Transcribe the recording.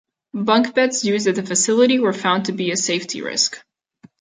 Bunk beds used at the facility were found to be a safety risk.